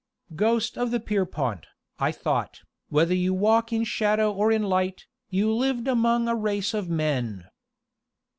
"Ghost of the Pierrepont," I thought, "whether you walk in shadow or in light, you lived among a race of Men!"